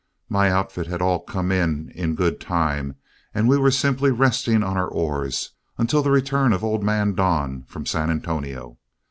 My outfit had all come in in good time, and we were simply resting on our oars until the return of old man Don from San Antonio.